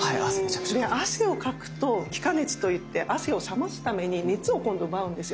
で汗をかくと気化熱といって汗を冷ますために熱を今度奪うんですよ。